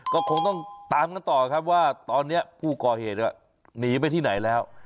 ก็คงต้องตามกันต่อครับว่าตอนนี้ผู้ก่อเหตุหนีไปที่ไหนแล้ว